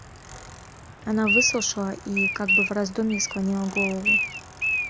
Она выслушала и как бы в раздумье склонила голову.